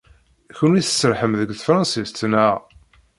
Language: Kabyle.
Kenwi tserrḥem deg tefṛansit, naɣ?